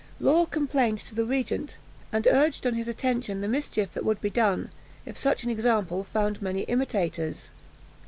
Law complained to the regent, and urged on his attention the mischief that would be done, if such an example found many imitators.